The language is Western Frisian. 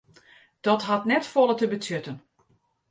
Dat hat net folle te betsjutten.